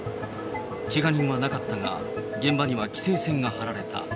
けが人はなかったが、現場には規制線が張られた。